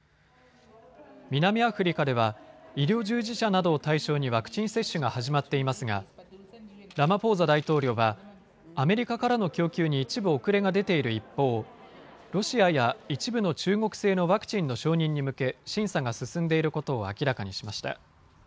南アフリカでは医療従事者などを対象にワクチン接種が始まっていますがラマポーザ大統領はアメリカからの供給に一部遅れが出ている一方、ロシアや一部の中国製のワクチンの承認に向け審査が進んでいることを明らかにしました。